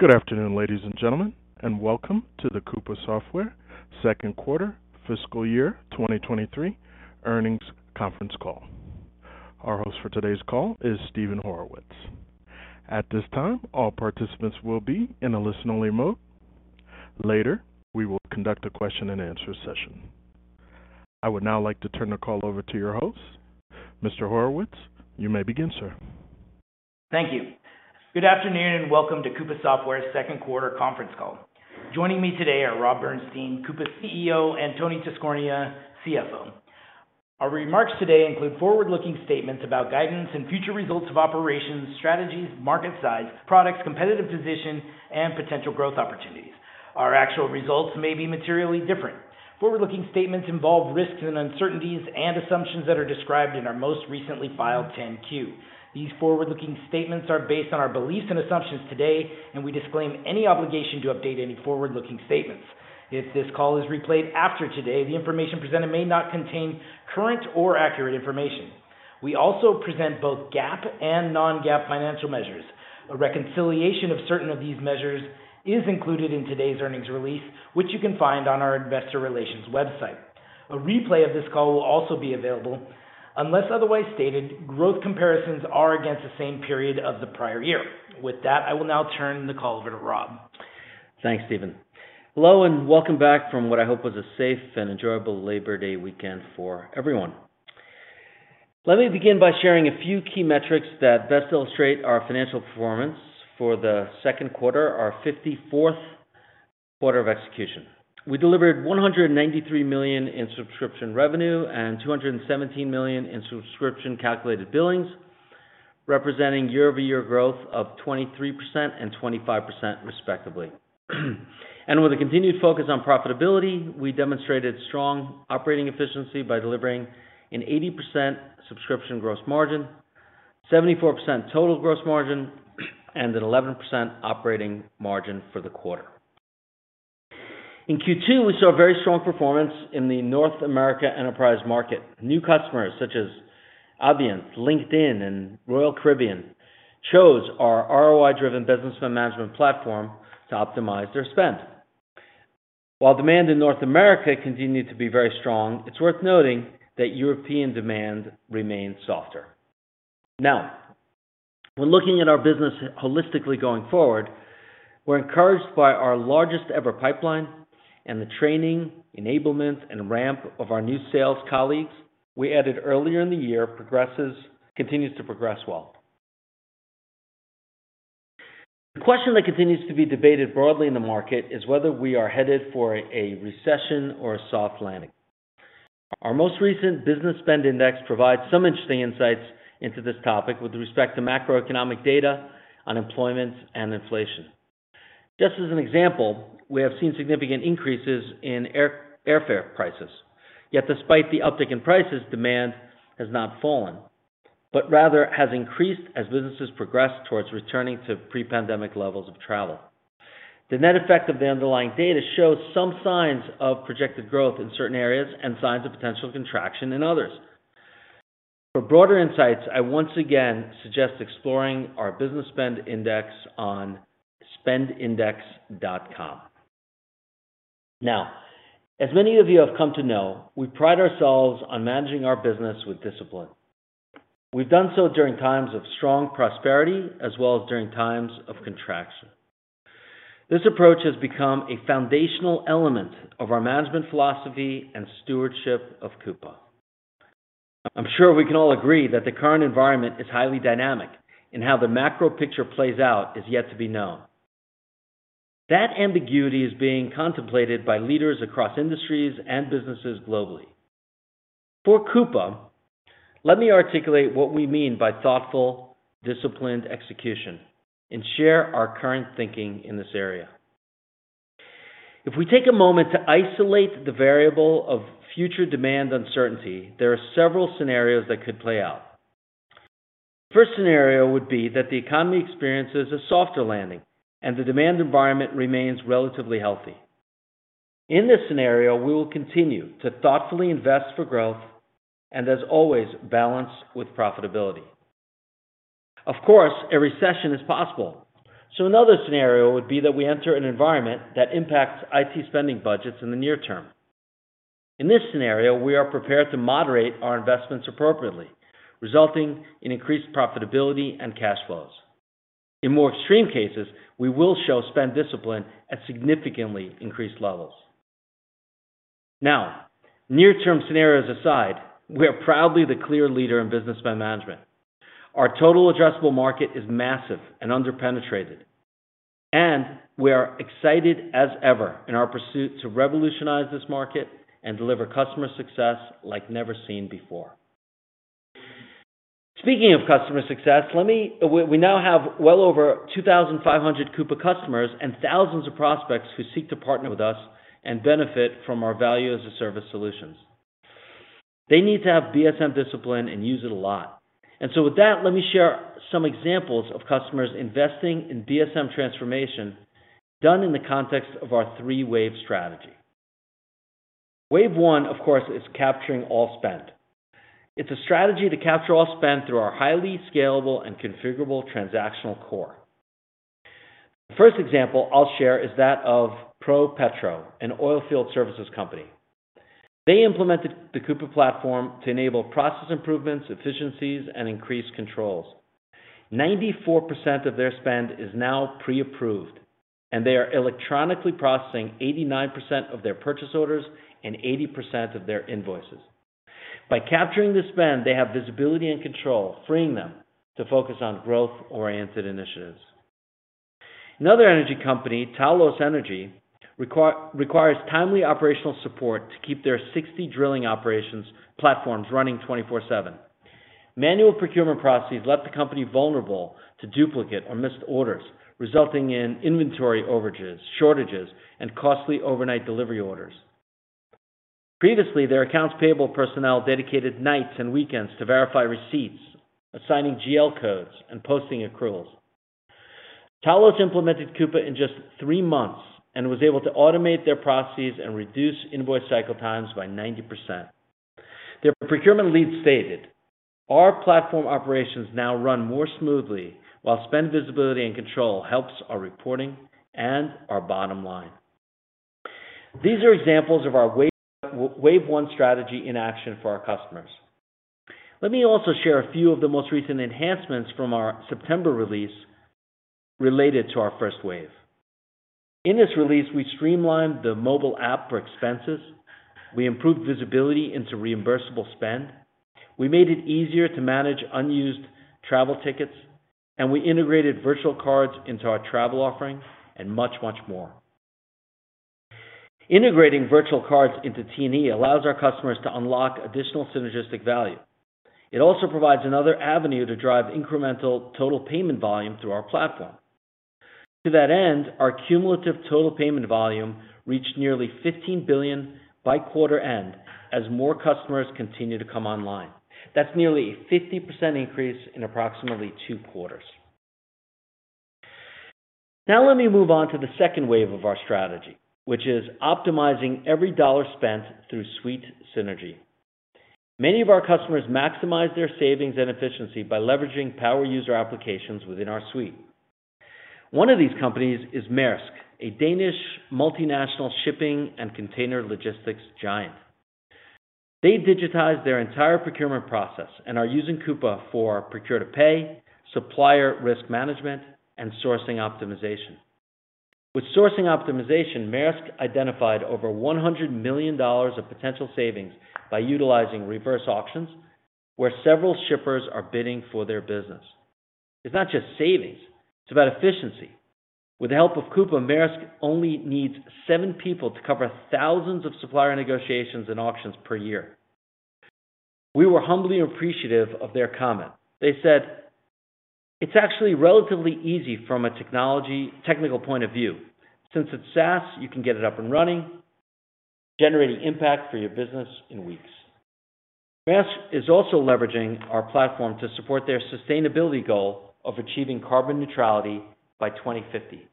Good afternoon, ladies and gentlemen, and welcome to the Coupa Software Second Quarter Fiscal Year 2023 Earnings Conference Call. Our host for today's call is Steven Horwitz. At this time, all participants will be in a listen only mode. Later, we will conduct a question and answer session. I would now like to turn the call over to your host. Mr. Horwitz, you may begin, sir. Thank you. Good afternoon, and welcome to Coupa Software's Second Quarter Conference Call. Joining me today are Rob Bernshteyn, Coupa CEO, and Tony Tiscornia, CFO. Our remarks today include forward-looking statements about guidance and future results of operations, strategies, market size, products, competitive position, and potential growth opportunities. Our actual results may be materially different. Forward-looking statements involve risks and uncertainties and assumptions that are described in our most recently filed 10-Q. These forward-looking statements are based on our beliefs and assumptions today, and we disclaim any obligation to update any forward-looking statements. If this call is replayed after today, the information presented may not contain current or accurate information. We also present both GAAP and non-GAAP financial measures. A reconciliation of certain of these measures is included in today's earnings release, which you can find on our investor relations website. A replay of this call will also be available. Unless otherwise stated, growth comparisons are against the same period of the prior year. With that, I will now turn the call over to Rob. Thanks, Steven. Hello, and welcome back from what I hope was a safe and enjoyable Labor Day weekend for everyone. Let me begin by sharing a few key metrics that best illustrate our financial performance for the second quarter, our 54th quarter of execution. We delivered $193 million in subscription revenue and $217 million in subscription calculated billings, representing year-over-year growth of 23% and 25% respectively. With a continued focus on profitability, we demonstrated strong operating efficiency by delivering an 80% subscription gross margin, 74% total gross margin, and an 11% operating margin for the quarter. In Q2, we saw very strong performance in the North America enterprise market. New customers such as Albemarle, LinkedIn, and Royal Caribbean chose our ROI-driven business spend management platform to optimize their spend. While demand in North America continued to be very strong, it's worth noting that European demand remains softer. Now, when looking at our business holistically going forward, we're encouraged by our largest ever pipeline and the training, enablement, and ramp of our new sales colleagues we added earlier in the year continues to progress well. The question that continues to be debated broadly in the market is whether we are headed for a recession or a soft landing. Our most recent Business Spend Index provides some interesting insights into this topic with respect to macroeconomic data, unemployment, and inflation. Just as an example, we have seen significant increases in airfare prices. Yet despite the uptick in prices, demand has not fallen, but rather has increased as businesses progress towards returning to pre-pandemic levels of travel. The net effect of the underlying data shows some signs of projected growth in certain areas and signs of potential contraction in others. For broader insights, I once again suggest exploring our Business Spend Index on spendindex.com. Now, as many of you have come to know, we pride ourselves on managing our business with discipline. We've done so during times of strong prosperity as well as during times of contraction. This approach has become a foundational element of our management philosophy and stewardship of Coupa. I'm sure we can all agree that the current environment is highly dynamic, and how the macro picture plays out is yet to be known. That ambiguity is being contemplated by leaders across industries and businesses globally. For Coupa, let me articulate what we mean by thoughtful, disciplined execution and share our current thinking in this area. If we take a moment to isolate the variable of future demand uncertainty, there are several scenarios that could play out. The first scenario would be that the economy experiences a softer landing, and the demand environment remains relatively healthy. In this scenario, we will continue to thoughtfully invest for growth, and as always, balance with profitability. Of course, a recession is possible. Another scenario would be that we enter an environment that impacts IT spending budgets in the near-term. In this scenario, we are prepared to moderate our investments appropriately, resulting in increased profitability and cash flows. In more extreme cases, we will show spend discipline at significantly increased levels. Now, near-term scenarios aside, we are proudly the clear leader in business spend management. Our total addressable market is massive and under-penetrated, and we are excited as ever in our pursuit to revolutionize this market and deliver customer success like never seen before. Speaking of customer success, we now have well over 2,500 Coupa customers and thousands of prospects who seek to partner with us and benefit from our value as a service solutions. They need to have BSM discipline and use it a lot. With that, let me share some examples of customers investing in BSM transformation done in the context of our three-wave strategy. Wave one, of course, is capturing all spend. It's a strategy to capture all spend through our highly scalable and configurable transactional core. The first example I'll share is that of ProPetro, an oilfield services company. They implemented the Coupa platform to enable process improvements, efficiencies, and increased controls. 94% of their spend is now pre-approved, and they are electronically processing 89% of their purchase orders and 80% of their invoices. By capturing the spend, they have visibility and control, freeing them to focus on growth-oriented initiatives. Another energy company, Talos Energy, requires timely operational support to keep their 60 drilling operations platforms running 24/7. Manual procurement processes left the company vulnerable to duplicate or missed orders, resulting in inventory overages, shortages, and costly overnight delivery orders. Previously, their accounts payable personnel dedicated nights and weekends to verify receipts, assigning GL codes, and posting accruals. Talos implemented Coupa in just three months and was able to automate their processes and reduce invoice cycle times by 90%. Their procurement lead stated, "Our platform operations now run more smoothly, while spend visibility and control helps our reporting and our bottom line." These are examples of our wave one strategy in action for our customers. Let me also share a few of the most recent enhancements from our September release related to our first wave. In this release, we streamlined the mobile app for expenses, we improved visibility into reimbursable spend, we made it easier to manage unused travel tickets, and we integrated virtual cards into our travel offering, and much, much more. Integrating virtual cards into T&E allows our customers to unlock additional synergistic value. It also provides another avenue to drive incremental total payment volume through our platform. To that end, our cumulative total payment volume reached nearly $15 billion by quarter end as more customers continue to come online. That's nearly a 50% increase in approximately two quarters. Now let me move on to the second wave of our strategy, which is optimizing every dollar spent through suite synergy. Many of our customers maximize their savings and efficiency by leveraging power user applications within our suite. One of these companies is Maersk, a Danish multinational shipping and container logistics giant. They digitized their entire procurement process and are using Coupa for procure-to-pay, supplier risk management, and sourcing optimization. With sourcing optimization, Maersk identified over $100 million of potential savings by utilizing reverse auctions, where several shippers are bidding for their business. It's not just savings, it's about efficiency. With the help of Coupa, Maersk only needs seven people to cover thousands of supplier negotiations and auctions per year. We were humbly appreciative of their comment. They said, "It's actually relatively easy from a technology, technical point of view. Since it's SaaS, you can get it up and running, generating impact for your business in weeks." Maersk is also leveraging our platform to support their sustainability goal of achieving carbon neutrality by 2050.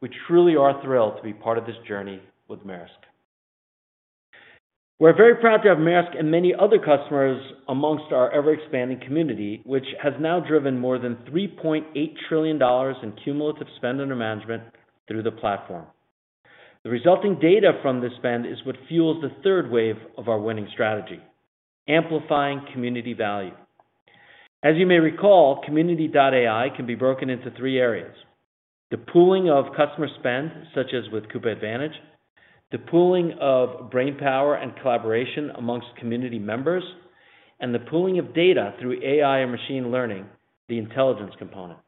We truly are thrilled to be part of this journey with Maersk. We're very proud to have Maersk and many other customers amongst our ever-expanding community, which has now driven more than $3.8 trillion in cumulative spend under management through the platform. The resulting data from this spend is what fuels the third wave of our winning strategy, amplifying community value. As you may recall, Community.ai can be broken into three areas. The pooling of customer spend, such as with Coupa Advantage, the pooling of brainpower and collaboration among community members, and the pooling of data through AI and machine learning, the intelligence component.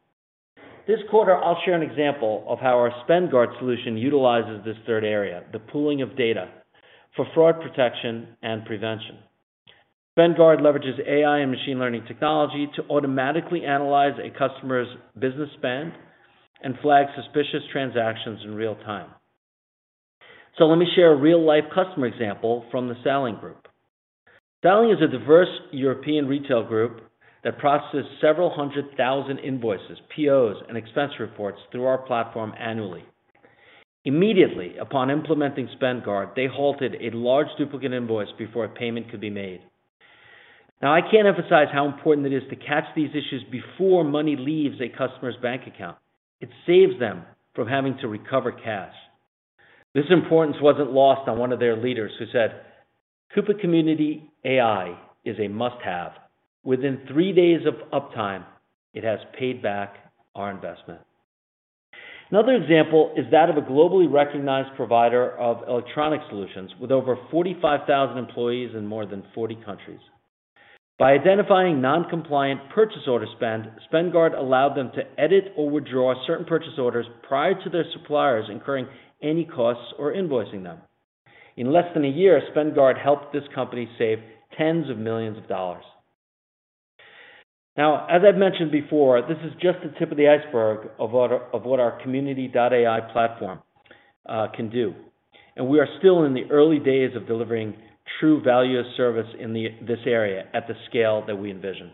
This quarter, I'll share an example of how our SpendGuard solution utilizes this third area, the pooling of data, for fraud protection and prevention. SpendGuard leverages AI and machine learning technology to automatically analyze a customer's business spend and flag suspicious transactions in real time. Let me share a real-life customer example from the Salling Group. Salling is a diverse European retail group that processes several hundred thousand invoices, POs, and expense reports through our platform annually. Immediately upon implementing SpendGuard, they halted a large duplicate invoice before a payment could be made. Now, I can't emphasize how important it is to catch these issues before money leaves a customer's bank account. It saves them from having to recover cash. This importance wasn't lost on one of their leaders, who said, "Community.ai is a must-have. Within three days of uptime, it has paid back our investment." Another example is that of a globally recognized provider of electronic solutions with over 45,000 employees in more than 40 countries. By identifying non-compliant purchase order spend, SpendGuard allowed them to edit or withdraw certain purchase orders prior to their suppliers incurring any costs or invoicing them. In less than a year, SpendGuard helped this company save tens of millions of dollars. Now, as I've mentioned before, this is just the tip of the iceberg of what our Community.ai platform can do, and we are still in the early days of delivering true value of service in this area at the scale that we envision.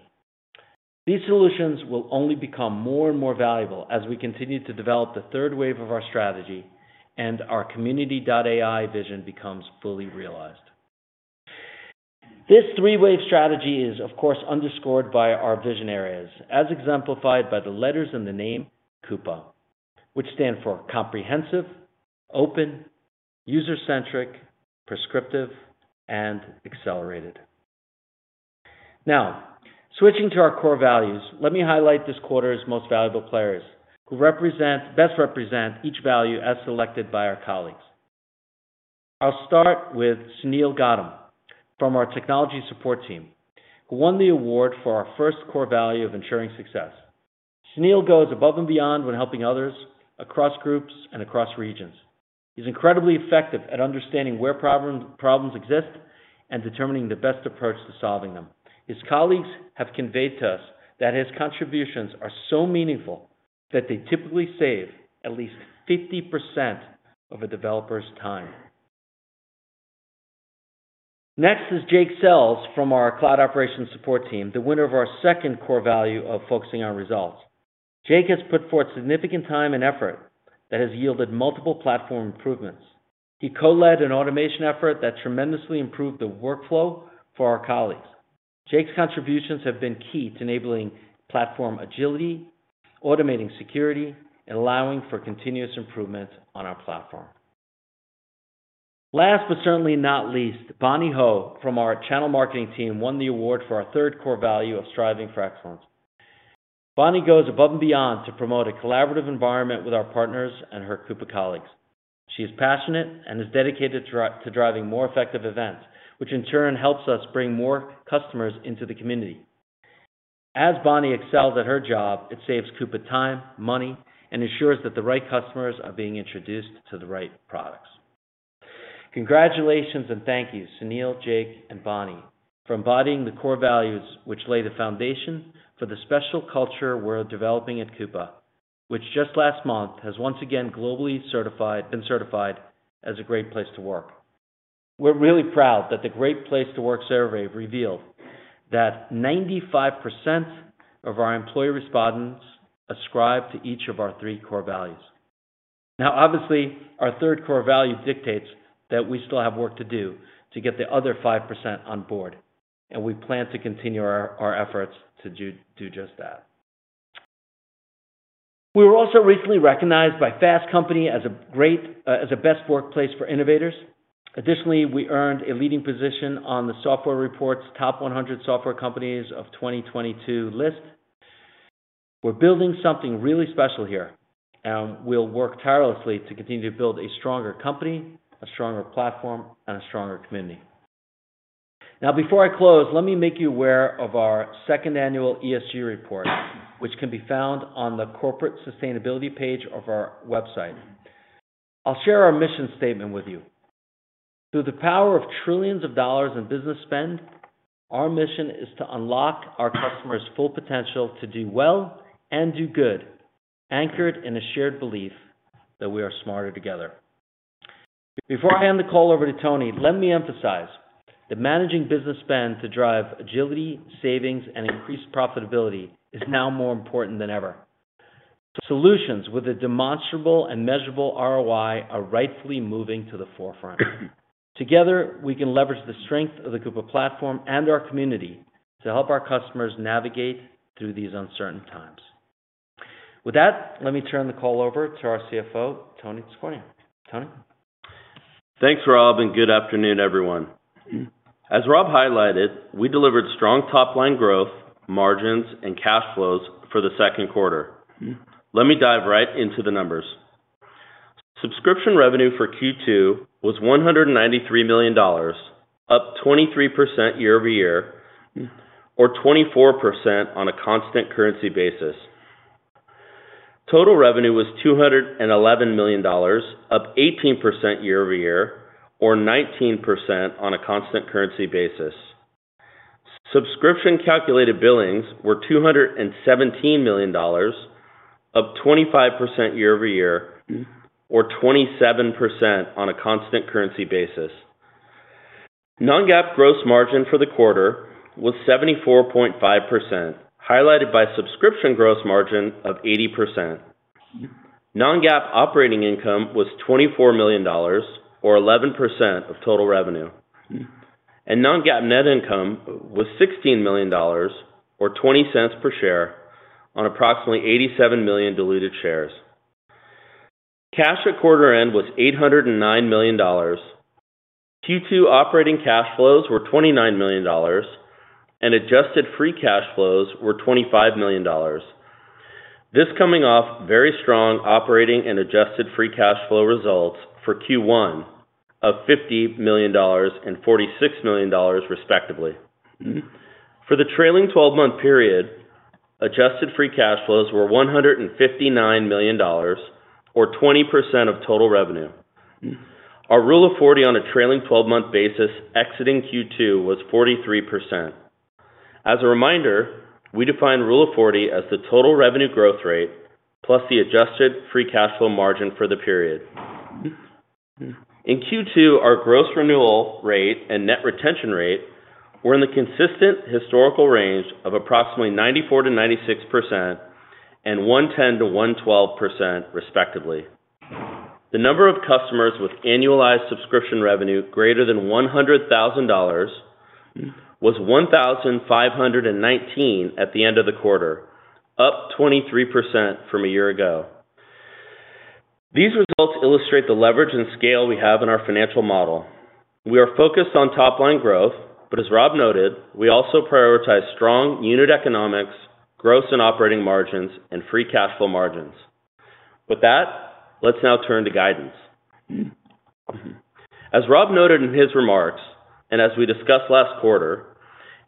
These solutions will only become more and more valuable as we continue to develop the third wave of our strategy and our Community.ai vision becomes fully realized. This three-wave strategy is of course underscored by our vision areas as exemplified by the letters in the name Coupa, which stand for comprehensive, open, user-centric, prescriptive, and accelerated. Now, switching to our core values, let me highlight this quarter's most valuable players who best represent each value as selected by our colleagues. I'll start with Sunil Gautam from our technology support team, who won the award for our first core value of ensuring success. Sunil goes above and beyond when helping others across groups and across regions. He's incredibly effective at understanding where problems exist and determining the best approach to solving them. His colleagues have conveyed to us that his contributions are so meaningful that they typically save at least 50% of a developer's time. Next is Jake Sells from our cloud operations support team, the winner of our second core value of focusing on results. Jake has put forth significant time and effort that has yielded multiple platform improvements. He co-led an automation effort that tremendously improved the workflow for our colleagues. Jake's contributions have been key to enabling platform agility, automating security, and allowing for continuous improvement on our platform. Last, but certainly not least, Bonnie Ho from our channel marketing team won the award for our third core value of striving for excellence. Bonnie goes above and beyond to promote a collaborative environment with our partners and her Coupa colleagues. She is passionate and is dedicated to driving more effective events, which in turn helps us bring more customers into the community. As Bonnie excels at her job, it saves Coupa time, money, and ensures that the right customers are being introduced to the right products. Congratulations and thank you, Sunil, Jake, and Bonnie for embodying the core values which lay the foundation for the special culture we're developing at Coupa, which just last month has once again been globally certified as a Great Place to Work. We're really proud that the Great Place to Work survey revealed that 95% of our employee respondents subscribe to each of our three core values. Now, obviously, our third core value dictates that we still have work to do to get the other 5% on board, and we plan to continue our efforts to do just that. We were also recently recognized by Fast Company as a best workplace for innovators. Additionally, we earned a leading position on The Software Report's Top 100 Software Companies of 2022 list. We're building something really special here, and we'll work tirelessly to continue to build a stronger company, a stronger platform, and a stronger community. Now, before I close, let me make you aware of our second annual ESG report, which can be found on the corporate sustainability page of our website. I'll share our mission statement with you. Through the power of trillions of dollars in business spend, our mission is to unlock our customers' full potential to do well and do good, anchored in a shared belief that we are smarter together. Before I hand the call over to Tony, let me emphasize that managing business spend to drive agility, savings, and increased profitability is now more important than ever. Solutions with a demonstrable and measurable ROI are rightfully moving to the forefront. Together, we can leverage the strength of the Coupa platform and our community to help our customers navigate through these uncertain times. With that, let me turn the call over to our CFO, Tony Tiscornia. Tony. Thanks, Rob, and good afternoon, everyone. As Rob highlighted, we delivered strong top-line growth, margins, and cash flows for the second quarter. Let me dive right into the numbers. Subscription revenue for Q2 was $193 million, up 23% year-over-year, or 24% on a constant currency basis. Total revenue was $211 million, up 18% year-over-year, or 19% on a constant currency basis. Subscription calculated billings were $217 million, up 25% year-over-year, or 27% on a constant currency basis. Non-GAAP gross margin for the quarter was 74.5%, highlighted by subscription gross margin of 80%. Non-GAAP operating income was $24 million or 11% of total revenue. Non-GAAP net income was $16 million or $0.20 per share on approximately 87 million diluted shares. Cash at quarter end was $809 million. Q2 operating cash flows were $29 million, and adjusted free cash flows were $25 million. This coming off very strong operating and adjusted free cash flow results for Q1 of $50 million and $46 million respectively. For the trailing twelve-month period, adjusted free cash flows were $159 million, or 20% of total revenue. Our Rule of 40 on a trailing twelve-month basis exiting Q2 was 43%. As a reminder, we define Rule of 40 as the total revenue growth rate + the adjusted free cash flow margin for the period. In Q2, our gross renewal rate and net retention rate were in the consistent historical range of approximately 94%-96% and 110%-112% respectively. The number of customers with annualized subscription revenue greater than $100,000 was 1,519 at the end of the quarter, up 23% from a year ago. These results illustrate the leverage and scale we have in our financial model. We are focused on top line growth, but as Rob noted, we also prioritize strong unit economics, gross and operating margins, and free cash flow margins. With that, let's now turn to guidance. As Rob noted in his remarks and as we discussed last quarter,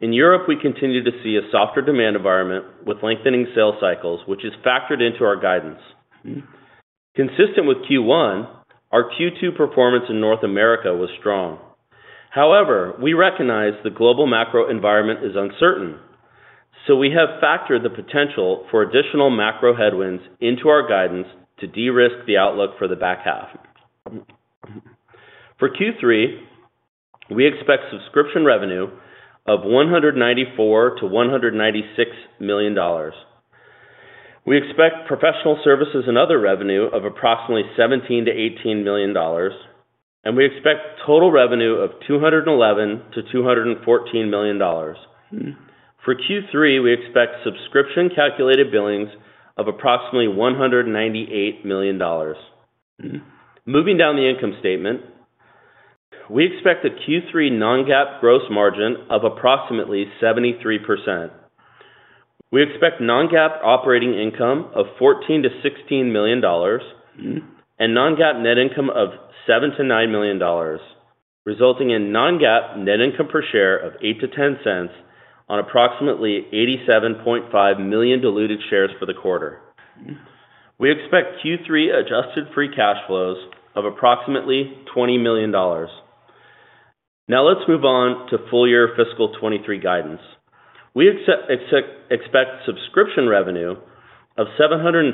in Europe, we continue to see a softer demand environment with lengthening sales cycles, which is factored into our guidance. Consistent with Q1, our Q2 performance in North America was strong. However, we recognize the global macro environment is uncertain, so we have factored the potential for additional macro headwinds into our guidance to de-risk the outlook for the back half. For Q3, we expect subscription revenue of $194 million-$196 million. We expect professional services and other revenue of approximately $17 million-$18 million, and we expect total revenue of $211 million-$214 million. For Q3, we expect subscription calculated billings of approximately $198 million. Moving down the income statement, we expect a Q3 non-GAAP gross margin of approximately 73%. We expect non-GAAP operating income of $14 million-$16 million and non-GAAP net income of $7 million-$9 million, resulting in non-GAAP net income per share of $0.08-$0.10 on approximately 87.5 million diluted shares for the quarter. We expect Q3 adjusted free cash flows of approximately $20 million. Now, let's move on to full year fiscal 2023 guidance. We expect subscription revenue of $766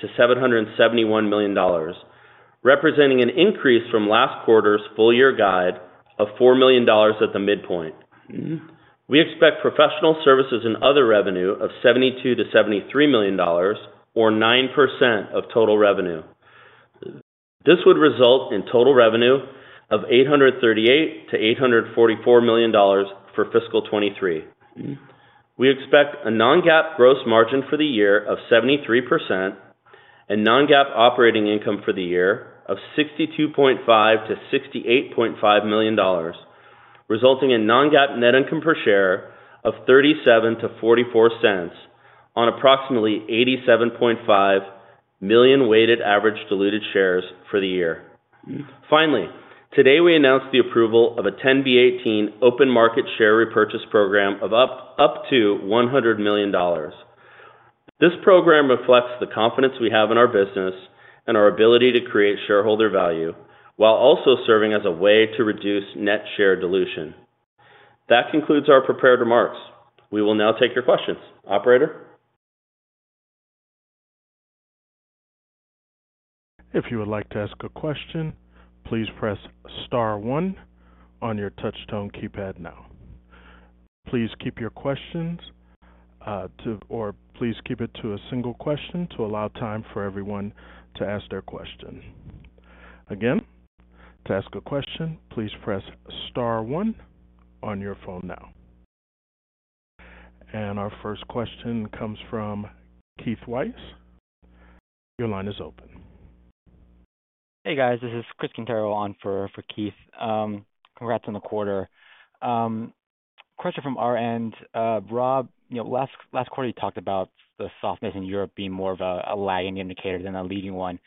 million-$771 million, representing an increase from last quarter's full year guide of $4 million at the midpoint. We expect professional services and other revenue of $72 million-$73 million or 9% of total revenue. This would result in total revenue of $838 million-$844 million for fiscal 2023. We expect a non-GAAP gross margin for the year of 73% and non-GAAP operating income for the year of $62.5 million-$68.5 million, resulting in non-GAAP net income per share of $0.37-$0.44 on approximately 87.5 million weighted average diluted shares for the year. Finally, today, we announced the approval of a 10b5-1 open market share repurchase program of up to $100 million. This program reflects the confidence we have in our business and our ability to create shareholder value while also serving as a way to reduce net share dilution. That concludes our prepared remarks. We will now take your questions. Operator. If you would like to ask a question, please press star one on your touch tone keypad now. Please keep it to a single question to allow time for everyone to ask their question. Again, to ask a question, please press star one on your phone now. Our first question comes from Keith Weiss. Your line is open. Hey, guys, this is Chris Quintero on for Keith. Congrats on the quarter. Question from our end. Rob, you know, last quarter, you talked about the softness in Europe being more of a lagging indicator than a leading one.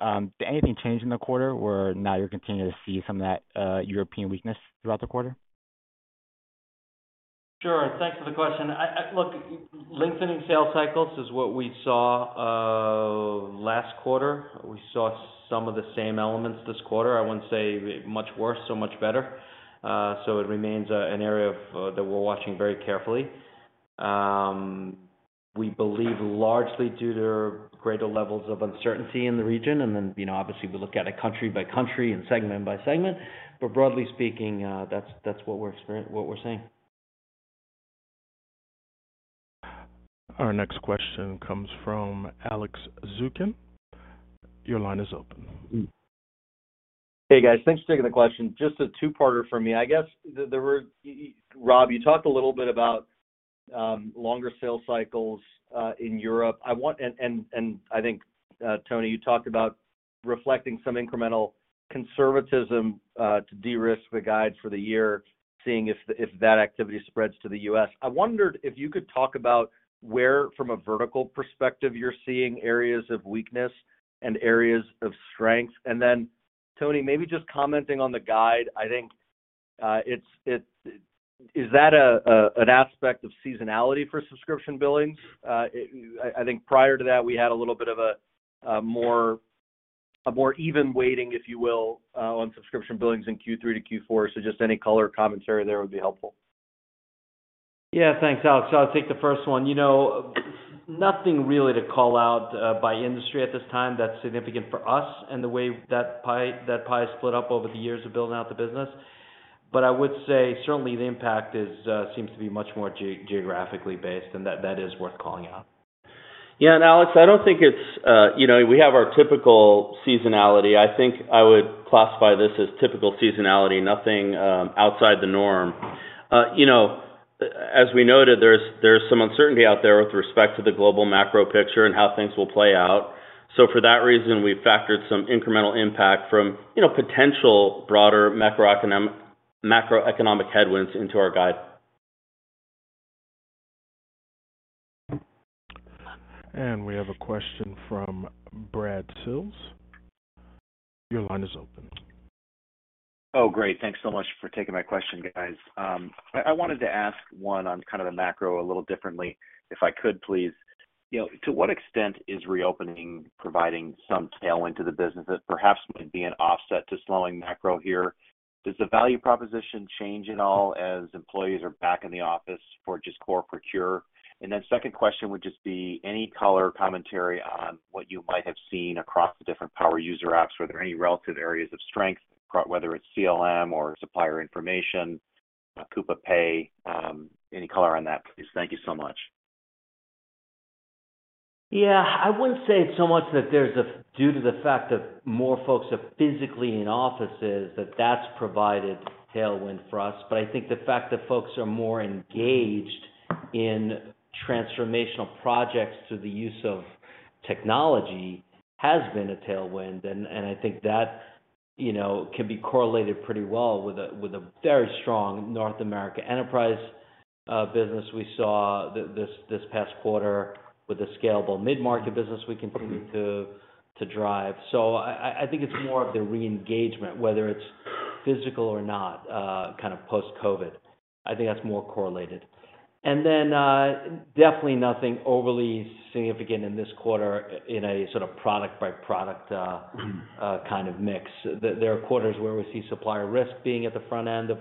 Did anything change in the quarter where now you're continuing to see some of that European weakness throughout the quarter? Sure. Thanks for the question. Look, lengthening sales cycles is what we saw last quarter. We saw some of the same elements this quarter. I wouldn't say much worse, so much better. So it remains an area of that we're watching very carefully. We believe largely due to greater levels of uncertainty in the region, and then, you know, obviously, we look at it country by country and segment by segment. Broadly speaking, that's what we're seeing. Our next question comes from Alex Zukin. Your line is open. Hey, guys. Thanks for taking the question. Just a two-parter for me. I guess Rob, you talked a little bit about longer sales cycles in Europe. I think Tony, you talked about reflecting some incremental conservatism to de-risk the guide for the year, seeing if that activity spreads to the U.S.. I wondered if you could talk about where, from a vertical perspective, you're seeing areas of weakness and areas of strength. Tony, maybe just commenting on the guide, I think. Is that an aspect of seasonality for subscription billings? I think prior to that, we had a little bit of a more even weighting, if you will, on subscription billings in Q3-Q4. Just any color or commentary there would be helpful. Yeah, thanks, Alex. I'll take the first one. You know, nothing really to call out by industry at this time that's significant for us and the way that pie is split up over the years of building out the business. I would say certainly the impact is, seems to be much more geographically based and that is worth calling out. Yeah, Alex, I don't think it's, you know, we have our typical seasonality. I think I would classify this as typical seasonality, nothing outside the norm. You know, as we noted, there's some uncertainty out there with respect to the global macro picture and how things will play out. For that reason, we've factored some incremental impact from, you know, potential broader macroeconomic headwinds into our guide. We have a question from Brad Sills. Your line is open. Oh, great. Thanks so much for taking my question, guys. I wanted to ask one on kind of the macro a little differently, if I could please. You know, to what extent is reopening providing some tailwind to the business that perhaps might be an offset to slowing macro here? Does the value proposition change at all as employees are back in the office for just core procure? And then second question would just be any color commentary on what you might have seen across the different power user apps. Were there any relative areas of strength, whether it's CLM or supplier information, Coupa Pay, any color on that, please? Thank you so much. Yeah. I wouldn't say it's so much that there's due to the fact that more folks are physically in offices, that that's provided tailwind for us. I think the fact that folks are more engaged in transformational projects through the use of technology has been a tailwind. I think that, you know, can be correlated pretty well with a very strong North America enterprise business we saw this past quarter with a scalable mid-market business we continue to drive. I think it's more of the re-engagement, whether it's physical or not, kind of post-COVID. I think that's more correlated. Definitely nothing overly significant in this quarter in a sort of product by product kind of mix. There are quarters where we see supplier risk being at the front end of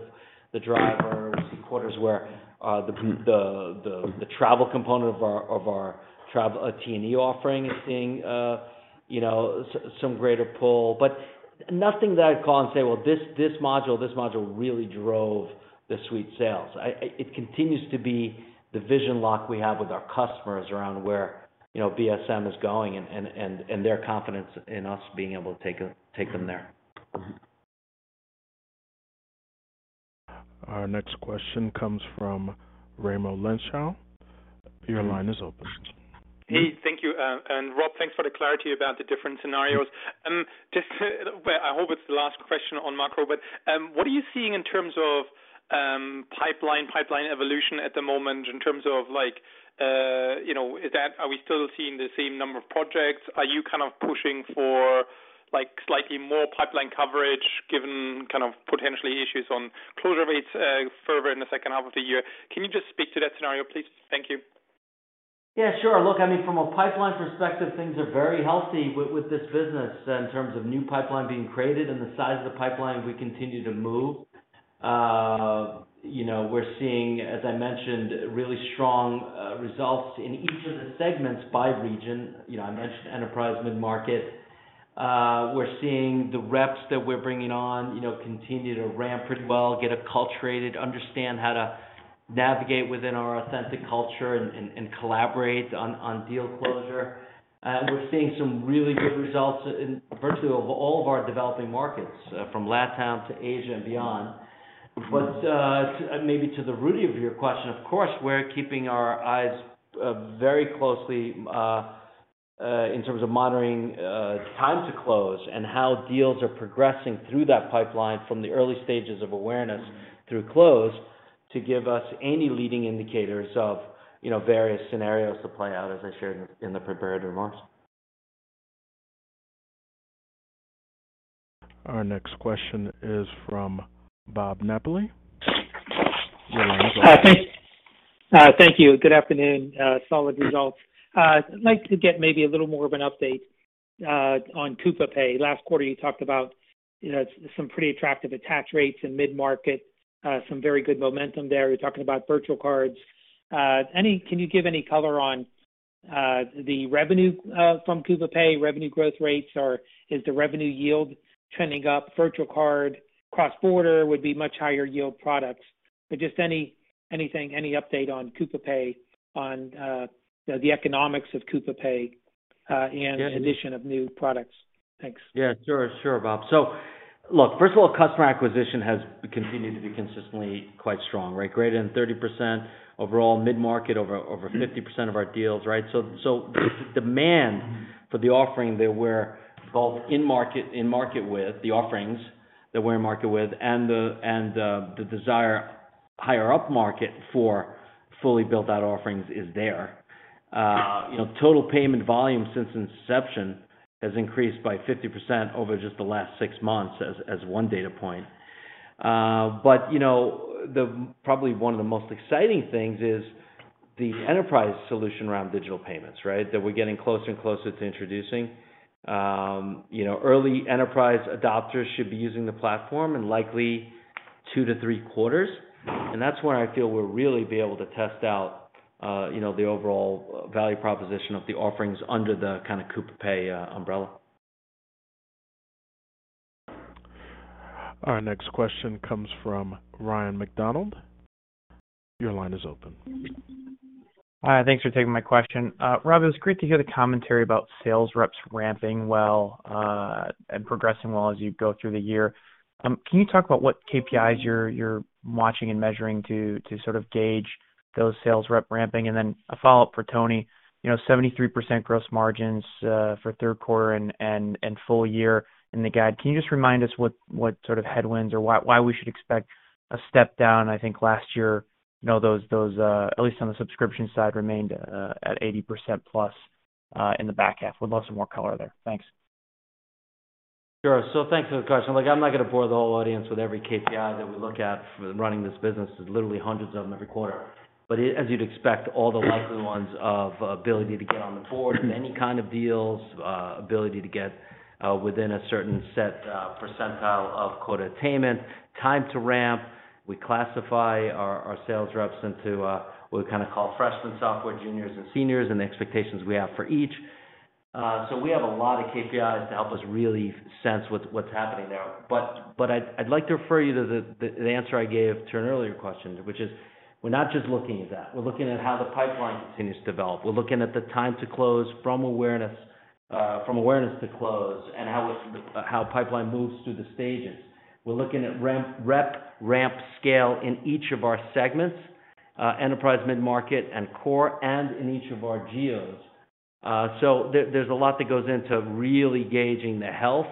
the driver. We see quarters where the travel component of our travel T&E offering is seeing you know some greater pull. But nothing that I'd call and say, "Well, this module really drove the suite sales." It continues to be the vision lock we have with our customers around where you know BSM is going and their confidence in us being able to take them there. Our next question comes from Raimo Lenschow. Your line is open. Hey. Thank you. Rob, thanks for the clarity about the different scenarios. Well, I hope it's the last question on macro, but what are you seeing in terms of pipeline evolution at the moment in terms of like, you know, is that? Are we still seeing the same number of projects? Are you kind of pushing for like slightly more pipeline coverage given kind of potential issues on closure rates further in the second half of the year? Can you just speak to that scenario, please? Thank you. Yeah, sure. Look, I mean, from a pipeline perspective, things are very healthy with this business in terms of new pipeline being created and the size of the pipeline we continue to move. You know, we're seeing, as I mentioned, really strong results in each of the segments by region. You know, I mentioned enterprise mid-market. We're seeing the reps that we're bringing on, you know, continue to ramp pretty well, get acculturated, understand how to navigate within our authentic culture and collaborate on deal closure. We're seeing some really good results in virtually all of our developing markets, from LATAM to Asia and beyond. Maybe to the root of your question, of course, we're keeping our eyes very closely in terms of monitoring time to close and how deals are progressing through that pipeline from the early stages of awareness through close to give us any leading indicators of, you know, various scenarios to play out as I shared in the prepared remarks. Our next question is from Bob Napoli. Your line is open. Thank you. Good afternoon. Solid results. I'd like to get maybe a little more of an update on Coupa Pay. Last quarter, you talked about, you know, some pretty attractive attach rates in mid-market, some very good momentum there. You're talking about virtual cards. Can you give any color on the revenue from Coupa Pay, revenue growth rates? Or is the revenue yield trending up? Virtual card cross-border would be much higher yield products. Just any update on Coupa Pay on, you know, the economics of Coupa Pay, and Yeah. Addition of new products. Thanks. Yeah, sure, Bob. Look, first of all, customer acquisition has continued to be consistently quite strong, right? Greater than 30% overall mid-market, over 50% of our deals, right? Demand for the offering that we're in market with and the desire higher up market for fully built out offerings is there. You know, total payment volume since inception has increased by 50% over just the last six months as one data point. But you know, probably one of the most exciting things is the enterprise solution around digital payments, right? That we're getting closer and closer to introducing. You know, early enterprise adopters should be using the platform in likely two to three quarters. That's where I feel we'll really be able to test out, you know, the overall value proposition of the offerings under the kind of Coupa Pay umbrella. Our next question comes from Ryan MacDonald. Your line is open. Thanks for taking my question. Rob, it was great to hear the commentary about sales reps ramping well and progressing well as you go through the year. Can you talk about what KPIs you're watching and measuring to sort of gauge those sales rep ramping? And then a follow-up for Tony. You know, 73% gross margins for third quarter and full year in the guide. Can you just remind us what sort of headwinds or why we should expect a step down? I think last year, you know, those at least on the subscription side, remained at 80%+ in the back half. Would love some more color there. Thanks. Sure. Thanks for the question. Look, I'm not gonna bore the whole audience with every KPI that we look at when running this business. There's literally hundreds of them every quarter. As you'd expect, all the likely ones of ability to get on the board of any kind of deals, ability to get within a certain set percentile of quota attainment, time to ramp. We classify our sales reps into what we kind of call freshmen, sophomore, juniors, and seniors and the expectations we have for each. We have a lot of KPIs to help us really sense what's happening there. I'd like to refer you to the answer I gave to an earlier question, which is we're not just looking at that. We're looking at how the pipeline continues to develop. We're looking at the time to close from awareness to close and how pipeline moves through the stages. We're looking at rep ramp scale in each of our segments, enterprise, mid-market, and core, and in each of our geos. There's a lot that goes into really gauging the health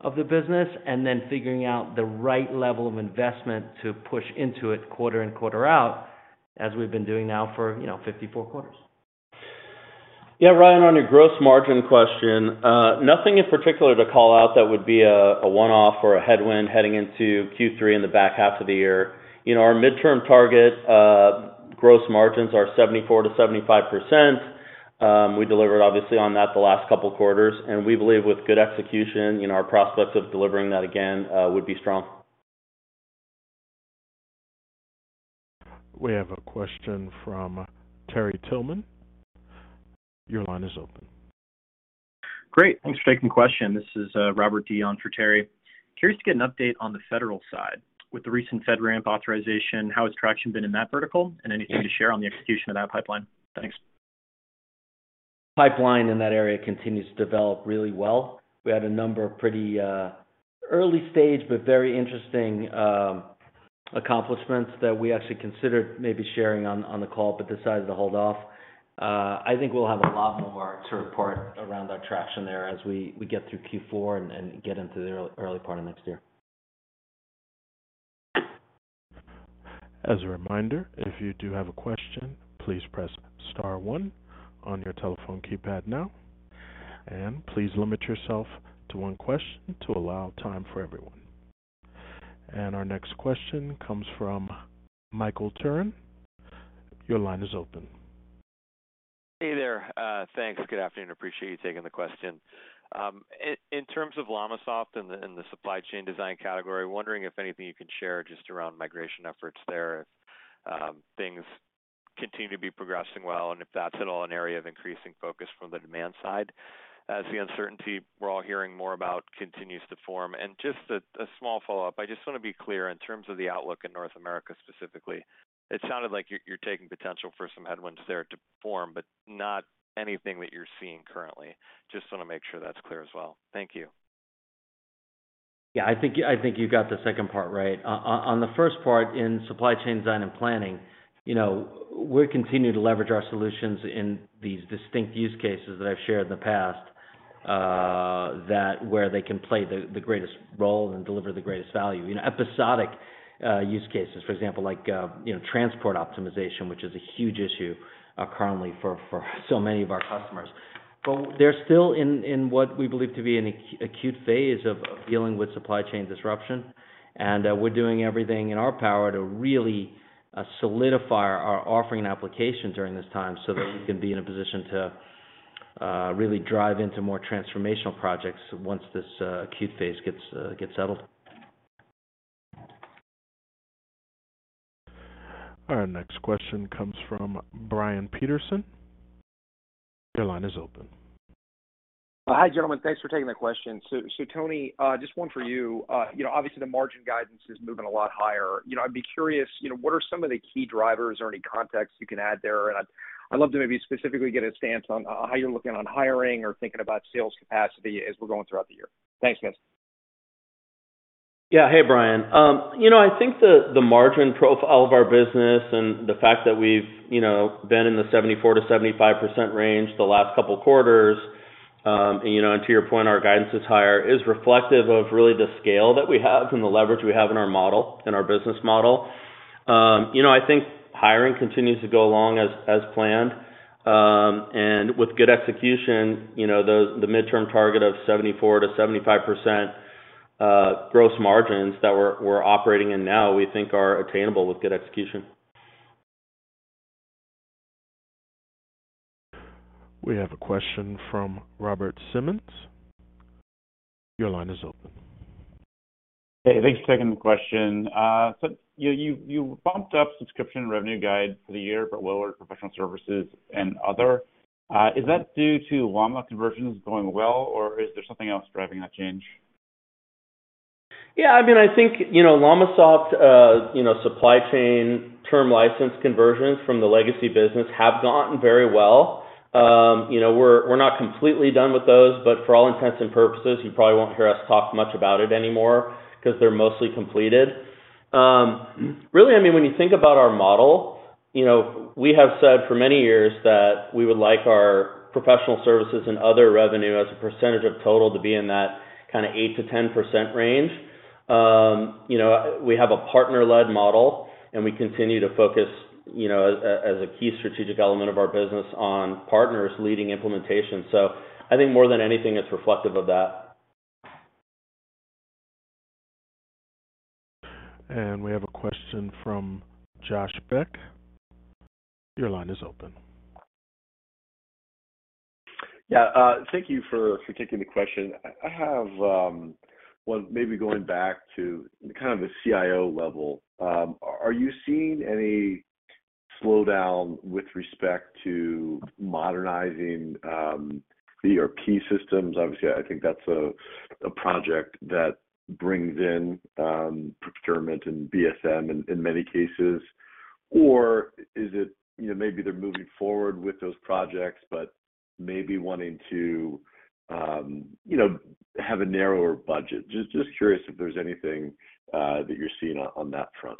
of the business and then figuring out the right level of investment to push into it quarter in, quarter out, as we've been doing now for, you know, 54 quarters. Yeah, Ryan, on your gross margin question, nothing in particular to call out that would be a one-off or a headwind heading into Q3 in the back half of the year. You know, our midterm target, gross margins are 74%-75%. We delivered obviously on that the last couple quarters, and we believe with good execution, you know, our prospects of delivering that again would be strong. We have a question from Terry Tillman. Your line is open. Great. Thanks for taking the question. This is Robert Dee for Terry. Curious to get an update on the federal side. With the recent FedRAMP authorization, how has traction been in that vertical? And anything to share on the execution of that pipeline? Thanks. Pipeline in that area continues to develop really well. We had a number of pretty early stage, but very interesting accomplishments that we actually considered maybe sharing on the call, but decided to hold off. I think we'll have a lot more to report around our traction there as we get through Q4 and get into the early part of next year. As a reminder, if you do have a question, please press star one on your telephone keypad now. Please limit yourself to one question to allow time for everyone. Our next question comes from Michael Turrin. Your line is open. Hey there. Thanks. Good afternoon. Appreciate you taking the question. In terms of LLamasoft and the supply chain design category, wondering if anything you can share just around migration efforts there, if things continue to be progressing well and if that's at all an area of increasing focus from the demand side as the uncertainty we're all hearing more about continues to form. Just a small follow-up. I just wanna be clear in terms of the outlook in North America specifically. It sounded like you're taking potential for some headwinds there to form, but not anything that you're seeing currently. Just wanna make sure that's clear as well. Thank you. Yeah. I think you got the second part right. On the first part in supply chain design and planning, you know, we continue to leverage our solutions in these distinct use cases that I've shared in the past, that where they can play the greatest role and deliver the greatest value. You know, episodic use cases, for example, like you know, transport optimization, which is a huge issue currently for so many of our customers. But they're still in what we believe to be an acute phase of dealing with supply chain disruption. We're doing everything in our power to really solidify our offering and application during this time so that we can be in a position to really drive into more transformational projects once this acute phase gets settled. Our next question comes from Brian Peterson. Your line is open. Hi, gentlemen. Thanks for taking the question. Tony, just one for you. You know, obviously the margin guidance is moving a lot higher. You know, I'd be curious, you know, what are some of the key drivers or any context you can add there? I'd love to maybe specifically get a stance on how you're looking on hiring or thinking about sales capacity as we're going throughout the year. Thanks, guys. Yeah. Hey, Brian. You know, I think the margin profile of our business and the fact that we've you know been in the 74%-75% range the last couple quarters, you know, and to your point, our guidance is higher, is reflective of really the scale that we have and the leverage we have in our model, in our business model. You know, I think hiring continues to go along as planned. With good execution, you know, the mid-term target of 74%-75% gross margins that we're operating in now, we think are attainable with good execution. We have a question from Robert Simmons. Your line is open. Hey, thanks for taking the question. So you bumped up subscription revenue guidance for the year, but lower professional services and other. Is that due to LLamasoft conversions going well, or is there something else driving that change? Yeah, I mean, I think, you know, LLamasoft, you know, supply chain term license conversions from the legacy business have gone very well. You know, we're not completely done with those, but for all intents and purposes, you probably won't hear us talk much about it anymore 'cause they're mostly completed. Really, I mean, when you think about our model, you know, we have said for many years that we would like our professional services and other revenue as a percentage of total to be in that kinda 8%-10% range. You know, we have a partner-led model, and we continue to focus, you know, as a key strategic element of our business on partners leading implementation. I think more than anything, it's reflective of that. We have a question from Josh Beck. Your line is open. Yeah, thank you for taking the question. Well, maybe going back to kind of the CIO level, are you seeing any slowdown with respect to modernizing ERP systems? Obviously, I think that's a project that brings in procurement and BSM in many cases. Or is it, you know, maybe they're moving forward with those projects but maybe wanting to, you know, have a narrower budget? Just curious if there's anything that you're seeing on that front.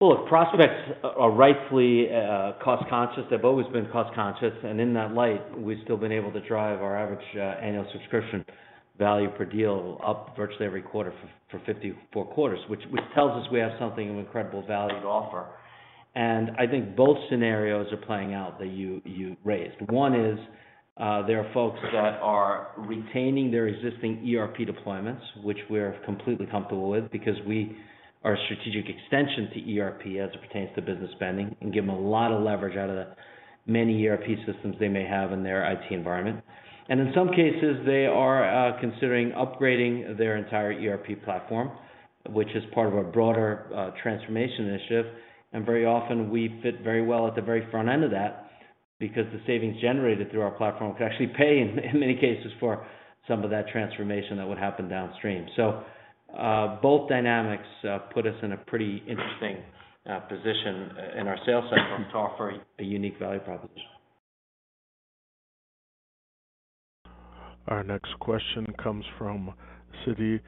Well, look, prospects are rightfully cost-conscious. They've always been cost-conscious, and in that light, we've still been able to drive our average annual subscription value per deal up virtually every quarter for 54 quarters, which tells us we have something of incredible value to offer. I think both scenarios are playing out that you raised. One is, there are folks that are retaining their existing ERP deployments, which we're completely comfortable with because we are a strategic extension to ERP as it pertains to business spending and give them a lot of leverage out of the many ERP systems they may have in their IT environment. In some cases, they are considering upgrading their entire ERP platform, which is part of a broader transformation initiative. Very often we fit very well at the very front end of that because the savings generated through our platform can actually pay, in many cases, for some of that transformation that would happen downstream. Both dynamics put us in a pretty interesting position, and our sales cycle to offer a unique value proposition. Our next question comes from Siti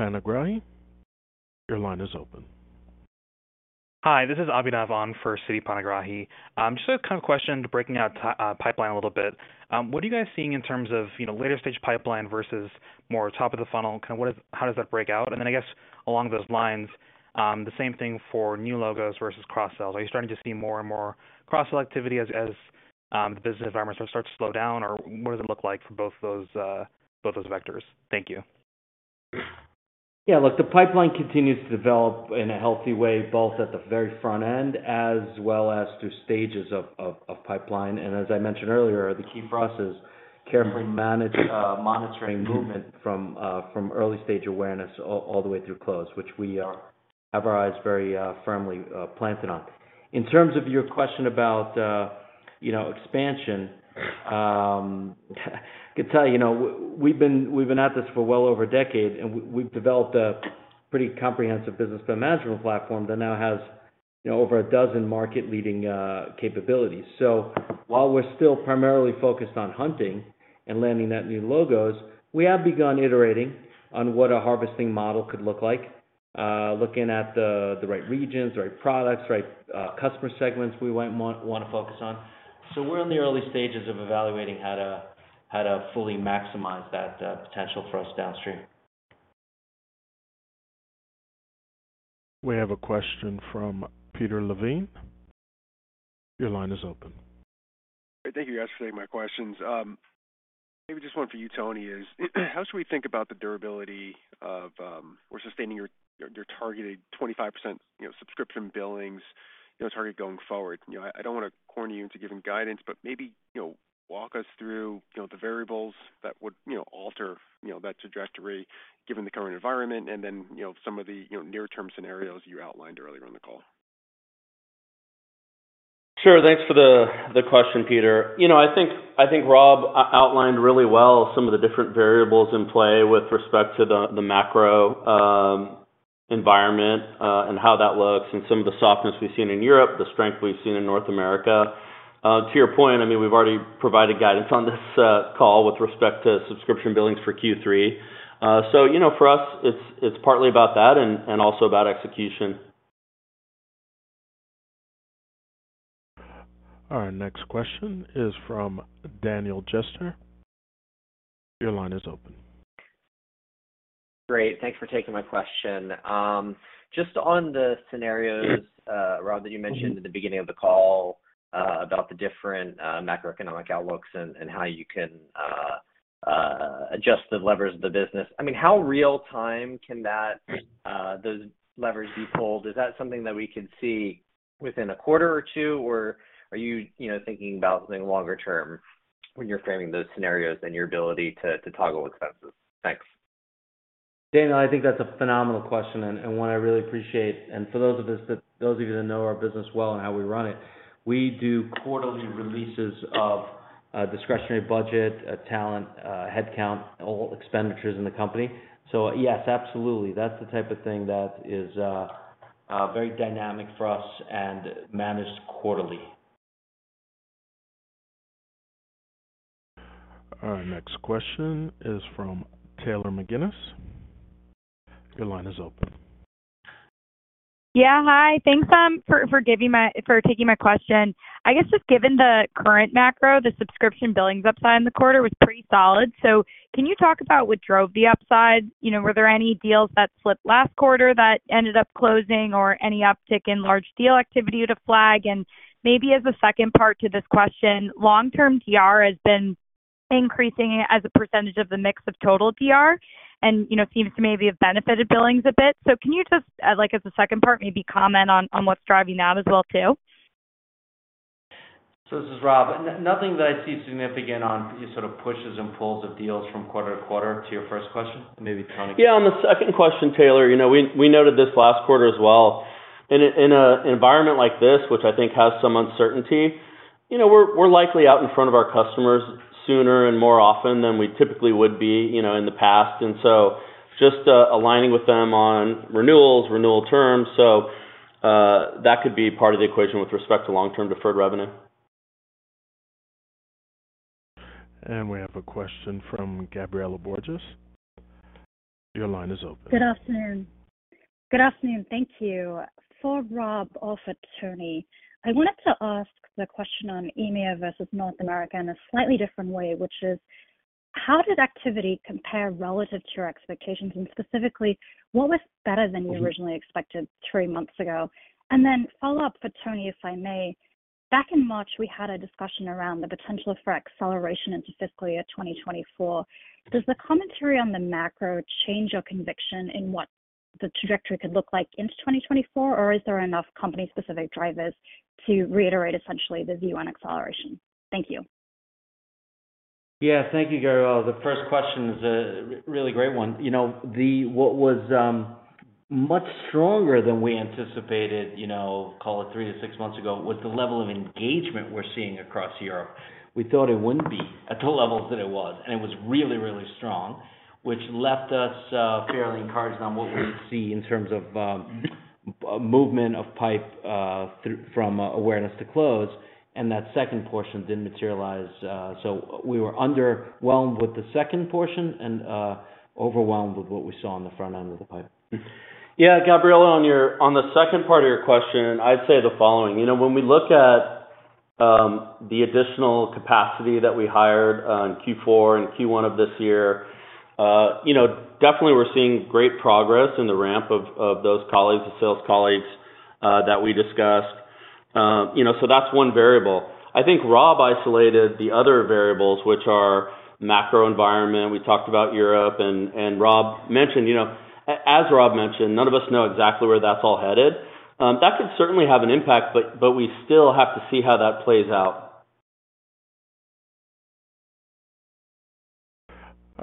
Panigrahi. Your line is open. Hi, this is Abhinav on for Siti Panigrahi. Just a kind of question to breaking out the pipeline a little bit. What are you guys seeing in terms of, you know, later stage pipeline versus more top of the funnel? Kinda what is how does that break out? Then I guess along those lines, the same thing for new logos versus cross-sells. Are you starting to see more and more cross-sell activity as the business environment starts to slow down, or what does it look like for both those vectors? Thank you. Yeah. Look, the pipeline continues to develop in a healthy way, both at the very front end as well as through stages of pipeline. As I mentioned earlier, the key for us is carefully manage monitoring movement from early stage awareness all the way through close, which we have our eyes very firmly planted on. In terms of your question about, you know, expansion, I could tell you know, we've been at this for well over a decade, and we've developed a pretty comprehensive business management platform that now has, you know, over a dozen market-leading capabilities. While we're still primarily focused on hunting and landing that new logos, we have begun iterating on what a harvesting model could look like, looking at the right regions, the right products, the right customer segments we might want to focus on. We're in the early stages of evaluating how to fully maximize that potential for us downstream. We have a question from Peter Levine. Your line is open. Thank you guys for taking my questions. Maybe just one for you, Tony, is how should we think about the durability of or sustaining your targeted 25%, you know, subscription billings, you know, target going forward? You know, I don't wanna corner you into giving guidance, but maybe, you know, walk us through, you know, the variables that would, you know, alter, you know, that trajectory given the current environment and then, you know, some of the, you know, near-term scenarios you outlined earlier in the call. Sure. Thanks for the question, Peter. You know, I think Rob outlined really well some of the different variables in play with respect to the macro environment and how that looks and some of the softness we've seen in Europe, the strength we've seen in North America. To your point, I mean, we've already provided guidance on this call with respect to subscription billings for Q3. So you know, for us, it's partly about that and also about execution. Our next question is from Daniel Jester. Your line is open. Great. Thanks for taking my question. Just on the scenarios, Rob, that you mentioned at the beginning of the call, about the different macroeconomic outlooks and how you can adjust the levers of the business. I mean, how real time can those levers be pulled? Is that something that we could see within a quarter or two, or are you know, thinking about something longer-term when you're framing those scenarios and your ability to toggle expenses? Thanks. Daniel, I think that's a phenomenal question and one I really appreciate. For those of you that know our business well and how we run it, we do quarterly releases of discretionary budget, talent, headcount, all expenditures in the company. Yes, absolutely. That's the type of thing that is very dynamic for us and managed quarterly. Our next question is from Taylor McGinnis. Your line is open. Yeah, hi. Thanks for taking my question. I guess just given the current macro, the subscription billings upside in the quarter was pretty solid. Can you talk about what drove the upside? You know, were there any deals that slipped last quarter that ended up closing or any uptick in large deal activity to flag? Maybe as a second part to this question, long-term DR has been increasing as a percentage of the mix of total DR and, you know, seems to maybe have benefited billings a bit. Can you just, like, as a second part, maybe comment on what's driving that as well too? This is Rob. Nothing that I see significant on sort of pushes and pulls of deals from quarter-to-quarter to your first question. Maybe Tony. Yeah, on the second question, Taylor, you know, we noted this last quarter as well. In an environment like this, which I think has some uncertainty, you know, we're likely out in front of our customers sooner and more often than we typically would be, you know, in the past. Just aligning with them on renewals, renewal terms. That could be part of the equation with respect to long-term deferred revenue. We have a question from Gabriela Borges. Your line is open. Good afternoon. Thank you. For Rob or for Tony, I wanted to ask the question on EMEA versus North America in a slightly different way, which is how did activity compare relative to your expectations, and specifically, what was better than you originally expected three months ago? Follow up for Tony, if I may. Back in March, we had a discussion around the potential for acceleration into fiscal year 2024. Does the commentary on the macro change your conviction in what the trajectory could look like into 2024, or is there enough company specific drivers to reiterate essentially the view on acceleration? Thank you. Yeah. Thank you, Gabriela. The first question is a really great one. You know, what was much stronger than we anticipated, you know, call it three or six months ago, was the level of engagement we're seeing across Europe. We thought it wouldn't be at the levels that it was, and it was really, really strong, which left us fairly encouraged on what we see in terms of movement of pipe from awareness to close, and that second portion didn't materialize. We were underwhelmed with the second portion and overwhelmed with what we saw on the front end of the pipe. Yeah. Gabriela, on the second part of your question, I'd say the following. You know, when we look at the additional capacity that we hired on Q4 and Q1 of this year, you know, definitely we're seeing great progress in the ramp of those colleagues, the sales colleagues, that we discussed. You know, so that's one variable. I think Rob isolated the other variables, which are macro environment. We talked about Europe and Rob mentioned, you know, as Rob mentioned, none of us know exactly where that's all headed. That could certainly have an impact, but we still have to see how that plays out.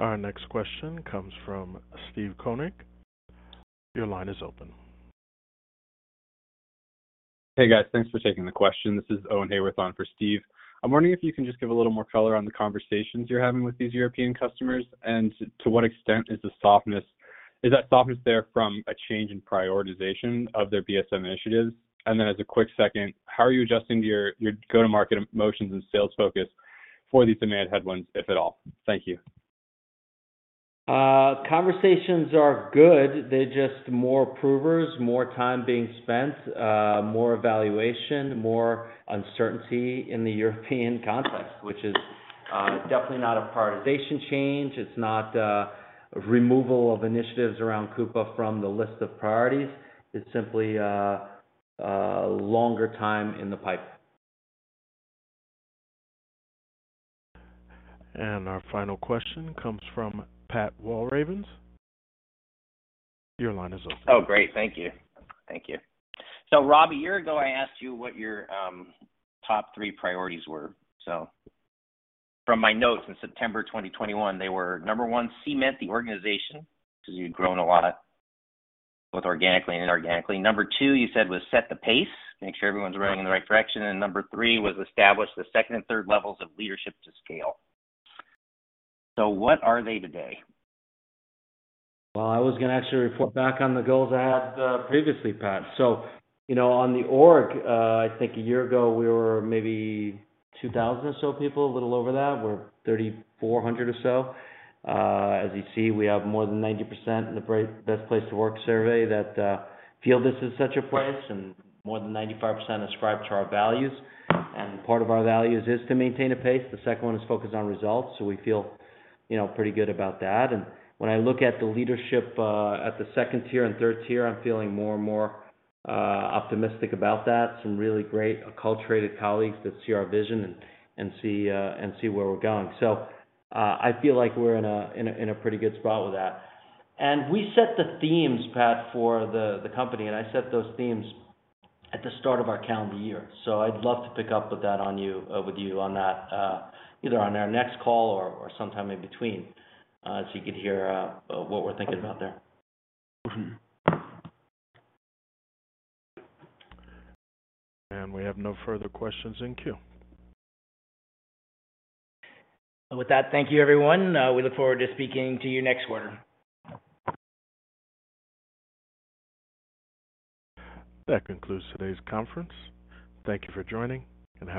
Our next question comes from Steve Koenig. Your line is open. Hey, guys. Thanks for taking the question. This is Owen on for Steve. I'm wondering if you can just give a little more color on the conversations you're having with these European customers and to what extent is that softness there from a change in prioritization of their BSM initiatives? As a quick second, how are you adjusting your go-to-market motions and sales focus for these demand headwinds, if at all? Thank you. Conversations are good. They're just more approvers, more time being spent, more evaluation, more uncertainty in the European context, which is definitely not a prioritization change. It's not removal of initiatives around Coupa from the list of priorities. It's simply a longer time in the pipe. Our final question comes from Pat Walravens. Your line is open. Oh, great. Thank you. Thank you. Rob, a year ago, I asked you what your top three priorities were. From my notes in September 2021, they were, number one, cement the organization, 'cause you'd grown a lot, both organically and inorganically. Number two, you said was set the pace, make sure everyone's running in the right direction. And number three was establish the second and third levels of leadership to scale. What are they today? Well, I was gonna actually report back on the goals I had previously, Pat. You know, on the org, I think a year ago we were maybe 2,000 or so people, a little over that. We're 3,400 or so. As you see, we have more than 90% in the Great Place to Work survey that feel this is such a place and more than 95% ascribe to our values. Part of our values is to maintain a pace. The second one is focus on results, so we feel, you know, pretty good about that. When I look at the leadership at the second tier and third tier, I'm feeling more and more optimistic about that. Some really great acculturated colleagues that see our vision and see where we're going. I feel like we're in a pretty good spot with that. We set the themes, Pat, for the company, and I set those themes at the start of our calendar year. I'd love to pick up with that with you, either on our next call or sometime in between, so you could hear what we're thinking about there. We have no further questions in queue. With that, thank you, everyone. We look forward to speaking to you next quarter. That concludes today's conference. Thank you for joining and have a-